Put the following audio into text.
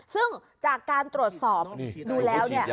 ซึ่งจากการตรวจสอบดูแล้วเนี่ย